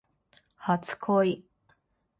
初恋